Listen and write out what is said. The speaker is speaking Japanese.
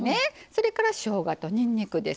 それからしょうがとにんにくです。